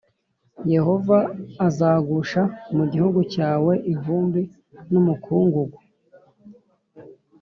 Yehova azagusha mu gihugu cyawe ivumbi n’umukungugu.